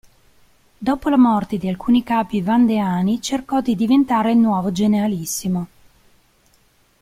Dopo la morte di alcuni capi vandeani, cercò di diventare il nuovo "generalissimo".